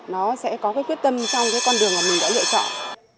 nó sẽ có cái quyết tâm trong cái con đường mà mình đã lựa chọn